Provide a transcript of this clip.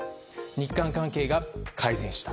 日韓関係が改善した。